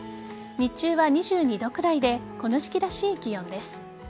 日中は２２度くらいでこの時期らしい気温です。